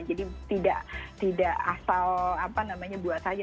jadi tidak asal apa namanya buat saja